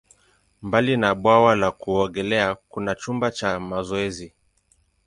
Mbali na bwawa la kuogelea, kuna chumba cha mazoezi.